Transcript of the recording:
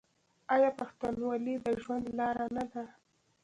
آیا پښتونولي د ژوند لاره نه ده؟